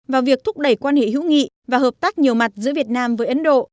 vào việc thúc đẩy quan hệ hữu nghị và hợp tác nhiều mặt giữa việt nam với ấn độ